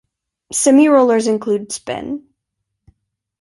Semi-rollers include spin.